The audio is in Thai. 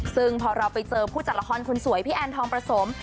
ซึ่งพอเราไปเจอผู้จัดละครคนสวยพี่แอนทองประสม